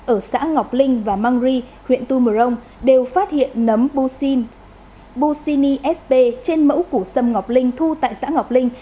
ở xã ngọc linh và mangri huyện tumurong đều phát hiện nấm bucini sp trên mẫu củ xâm ngọc linh thu tại xã ngọc linh